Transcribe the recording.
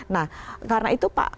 nah karena itu